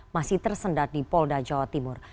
masih tersendat di polda jawa timur